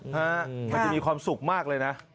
มันจะมีความสุขมากเลยนะ